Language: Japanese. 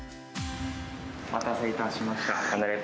お待たせいたしました。